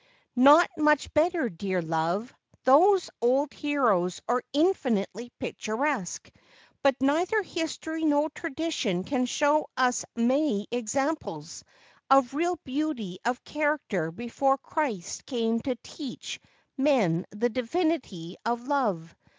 ' Not much better, dear love. Those old heroes are infinitely picturesque, but neither history nor tradition can show us many examples of real beauty of character before Christ came to teach men the divinity of love.